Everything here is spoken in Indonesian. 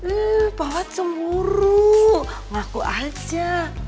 eh papa cemburu ngaku aja